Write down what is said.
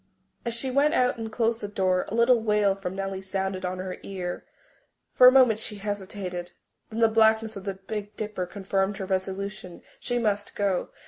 As she went out and closed the door, a little wail from Nellie sounded on her ear. For a moment she hesitated, then the blackness of the Big Dipper confirmed her resolution. She must go.